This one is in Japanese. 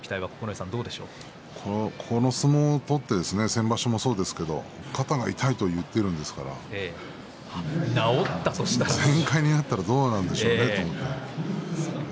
この相撲を取って先場所もそうですが、肩が痛いと言っているんですから全快になったらどうなるんでしょうかね。